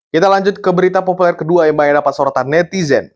kita lanjut ke berita populer kedua yang mbak e dapat sorotan netizen